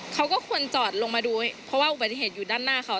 เขาก็ควรจอดลงมาดูเพราะว่าอุบัติเหตุอยู่ด้านหน้าเขา